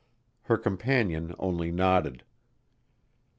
Her companion only nodded.